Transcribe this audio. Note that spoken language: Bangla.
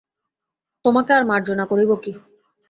তােমাকে আর মার্জনা করিব কি?